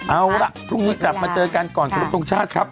เอาล่ะพรุ่งนี้กลับมาเจอกันก่อนขอรับทรงชาติครับ